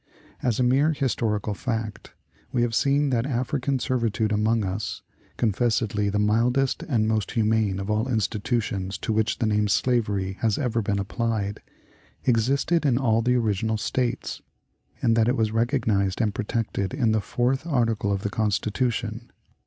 As a mere historical fact, we have seen that African servitude among us confessedly the mildest and most humane of all institutions to which the name "slavery" has ever been applied existed in all the original States, and that it was recognized and protected in the fourth article of the Constitution.